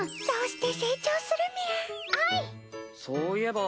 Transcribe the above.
そうして成長するみゃ。